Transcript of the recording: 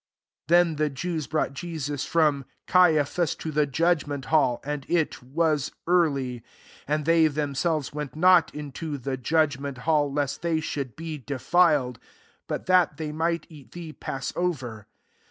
* 28 [Then] thS Jews brought Jesus from Caiaphas, to the judgment hall ; and it was ear ly : and they themselves went not into the judgment hall, lest they should be defiled ; but that they might eat the passover.